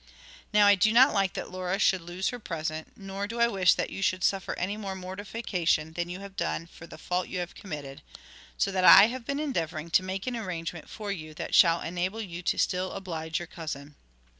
Now, I do not like that Laura should lose her present, nor do I wish that you should suffer any more mortification than you have done for the fault you have committed, so that I have been endeavouring to make an arrangement for you that shall enable you still to oblige your cousin.